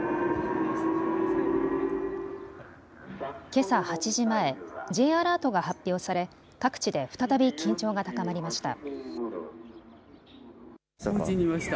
けさ８時前、Ｊアラートが発表され各地で再び緊張が高まりました。